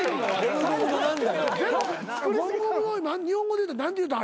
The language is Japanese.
ゴムゴムの日本語で言うたら何て言うたん？